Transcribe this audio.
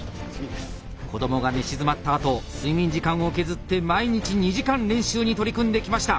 子どもが寝静まった後睡眠時間を削って毎日２時間練習に取り組んできました。